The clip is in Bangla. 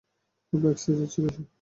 খুবই এক্সাইটেড ছিল সে।